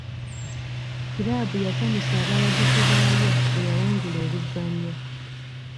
Kiraabu yasanyusa abawagizi baayo bwe yawangula oluzannya.